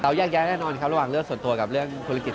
แยกแย้แน่นอนครับระหว่างเรื่องส่วนตัวกับเรื่องธุรกิจ